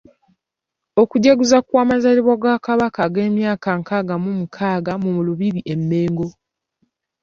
Okujaguza amazaalibwa ga Kabaka ag'emyaka nkaaga mu mukaaga mu Lubiri e Mengo.